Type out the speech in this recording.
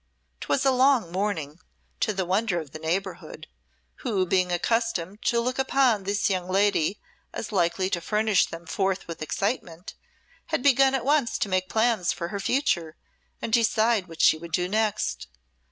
'Twas a long mourning, to the wonder of the neighbourhood, who, being accustomed to look upon this young lady as likely to furnish them forth with excitement, had begun at once to make plans for her future and decide what she would do next.